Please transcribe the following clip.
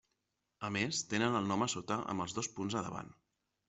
A més, tenen el nom a sota amb els dos punts a davant.